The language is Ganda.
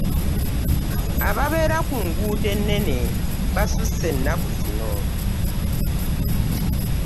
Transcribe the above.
Ababbera ku nguudo ennene basusse ennaku zino.